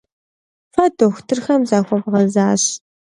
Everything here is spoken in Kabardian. Фэ дохутырхэм захуэвгъэзащ.